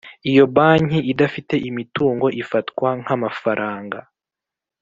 Iyo banki idafite imitungo ifatwa nk amafaranga